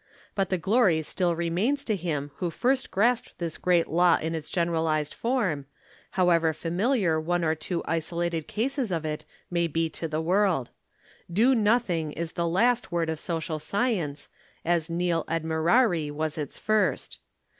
But the glory still remains to him who first grasped this great law in its generalized form, however familiar one or two isolated cases of it may be to the world. 'Do nothing' is the last word of social science, as 'Nil admirari' was its first.